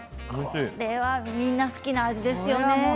これはみんな好きな味ですよね。